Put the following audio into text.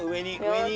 上に。